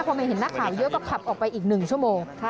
พอมาเห็นนักข่าวเยอะก็ขับออกไปอีก๑ชั่วโมง